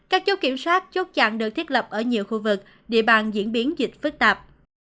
các chốt kiểm soát chốt chặn được thiết lập ở nhiều khu vực địa bàn diễn biến dịch phức tạp